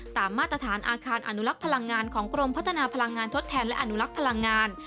มาตรฐานอาคารอนุลักษ์พลังงานของกรมพัฒนาพลังงานทดแทนและอนุลักษ์พลังงาน